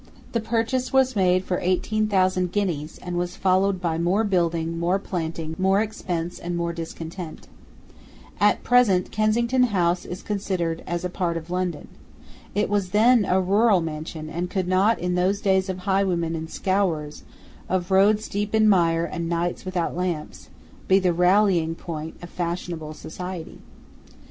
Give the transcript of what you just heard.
The purchase was made for eighteen thousand guineas, and was followed by more building, more planting, more expense, and more discontent. At present Kensington House is considered as a part of London. It was then a rural mansion, and could not, in those days of highwaymen and scourers, of roads deep in mire and nights without lamps, be the rallying point of fashionable society.